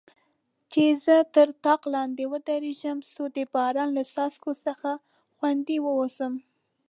چې زه تر طاق لاندې ودریږم، څو د باران له څاڅکو څخه خوندي واوسم.